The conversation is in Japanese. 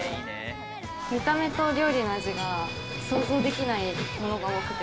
見た目と料理の味が想像できないものが多くて。